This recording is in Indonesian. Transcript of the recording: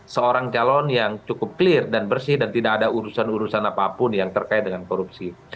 seorang calon yang cukup clear dan bersih dan tidak ada urusan urusan apapun yang terkait dengan korupsi